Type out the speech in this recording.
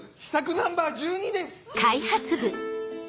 ナンバー１２です！